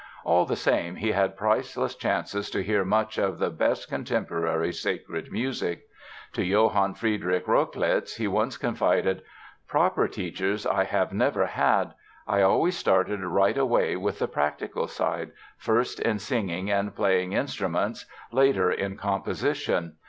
All the same, he had priceless chances to hear much of the best contemporary sacred music. To Johann Friedrich Rochlitz he once confided: "Proper teachers I have never had. I always started right away with the practical side, first in singing and playing instruments, later in composition.